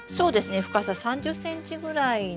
深さ３０ｃｍぐらいの。